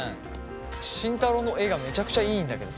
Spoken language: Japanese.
慎太郎の絵がめちゃくちゃいいんだけど。